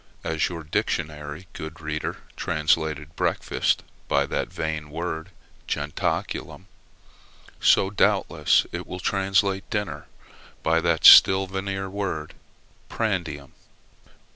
And as your dictionary, good reader, translated breakfast by that vain word jentaculum, so, doubtless, it will translate dinner by that still vainer word prandium.